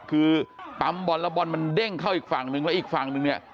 คือปั๊มบอลแล้วบอลมันเด้งเข้าอีกฝั่งนึงแล้วอีกฝั่งนึงเนี่ย